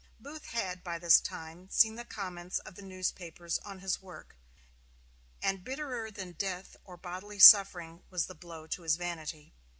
Booth had by this time seen the comments of the newspapers on his work, and bitterer than death or bodily suffering was the blow to his vanity.